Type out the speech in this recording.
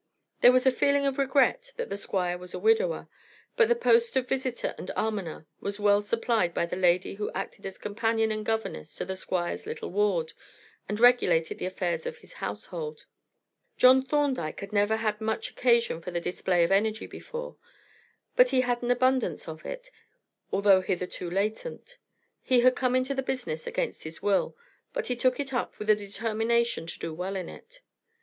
There was a feeling of regret that the Squire was a widower, but the post of visitor and almoner was well supplied by the lady who acted as companion and governess to the Squire's little ward and regulated the affairs of his household. John Thorndyke had never had much occasion for the display of energy before, but he had an abundance of it, although hitherto latent. He had come into this business against his will, but he took it up with a determination to do well in it.